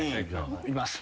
いきます。